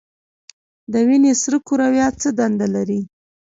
د وینې سره کرویات څه دنده لري؟